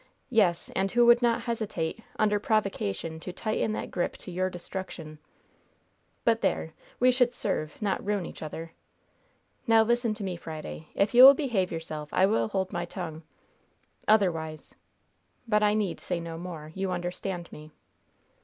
"Yes, and who would not hesitate, under provocation, to tighten that grip to your destruction. But there! We should serve, not ruin, each other. Now listen to me, Friday. If you will behave yourself, I will hold my tongue. Otherwise But I need say no more. You understand me."